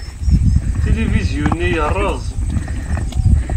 Tilivizyu-nni yerreẓ.